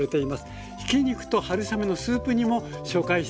ひき肉と春雨のスープ煮も紹介しています。